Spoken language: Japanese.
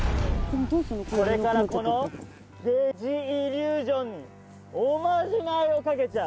これからこのゲジイリュージョンおまじないをかけちゃう。